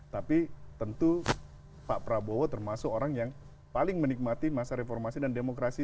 tapi tentu pak prabowo termasuk orang yang paling menikmati masa reformasi dan demokrasi